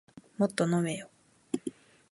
もっと飲めよ